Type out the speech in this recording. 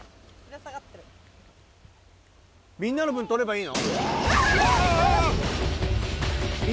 みんなの分、取ればいいの？